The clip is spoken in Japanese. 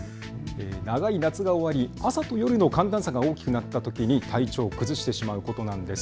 長い夏が終わり朝と夜の寒暖差が大きくなったときに体調を崩してしまうことなんです。